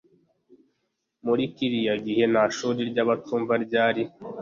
Muri kiriya gihe nta shuri ry’abatumva ryari.